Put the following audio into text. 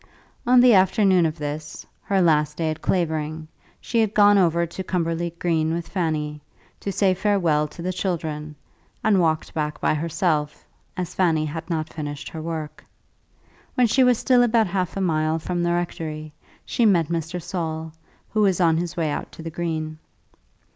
On the afternoon of this, her last day at Clavering, she had gone over to Cumberly Green with Fanny, to say farewell to the children, and walked back by herself, as Fanny had not finished her work. When she was still about half a mile from the rectory, she met Mr. Saul, who was on his way out to the Green.